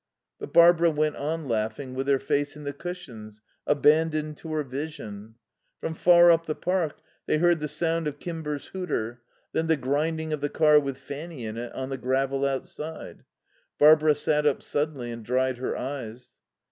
But Barbara went on laughing, with her face in the cushions, abandoned to her vision. From far up the park they heard the sound of Kimber's hooter, then the grinding of the car, with Fanny in it, on the gravel outside. Barbara sat up suddenly and dried her eyes.